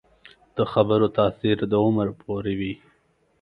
د خبرو تاثیر د عمر پورې وي